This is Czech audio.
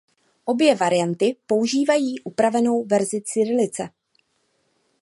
Obě varianty používají upravenou verzi cyrilice.